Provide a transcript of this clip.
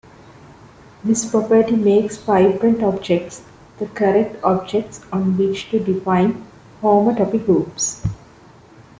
This property makes fibrant objects the "correct" objects on which to define homotopy groups.